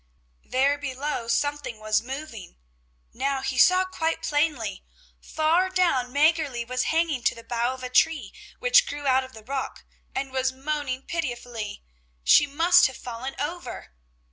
There below something was moving; now he saw quite plainly, far down Mäggerli was hanging to the bough of a tree which grew out of the rock, and was moaning pitifully; she must have fallen over.